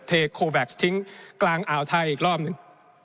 เทโคแบ็คซทิ้งกลางอ่าวไทยอีกรอบหนึ่ง